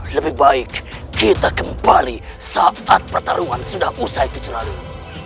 lebih baik kita kembali saat pertarungan sudah usai kecuali